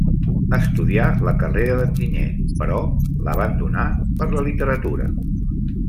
Estudià la carrera d'enginyer, però l'abandonà per la literatura.